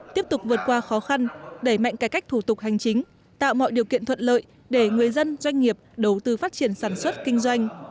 tiếp tục vượt qua khó khăn đẩy mạnh cải cách thủ tục hành chính tạo mọi điều kiện thuận lợi để người dân doanh nghiệp đầu tư phát triển sản xuất kinh doanh